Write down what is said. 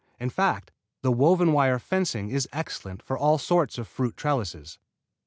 In fact, the woven wire fencing is excellent for all sorts of fruit trellises.